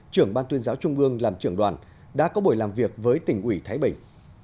trưởng ban tuyên giáo trung ương làm trưởng đoàn đã có buổi làm việc với tỉnh ủy thái bình